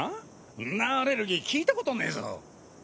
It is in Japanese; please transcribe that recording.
んなアレルギー聞いたことねぇぞ？